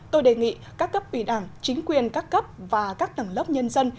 tôi đề nghị các cấp ủy đảng chính quyền các cấp và các tầng lớp nhân dân